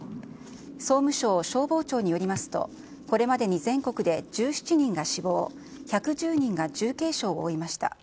総務省消防庁によりますと、これまでに全国で１７人が死亡、１１０人が重軽傷を負いました。